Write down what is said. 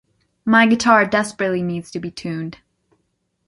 My guitar desperately needs to be tuned.